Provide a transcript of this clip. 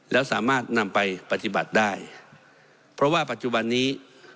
แล้วสามารถนำไปปฏิบัติได้เพราะว่าปัจจุบันนี้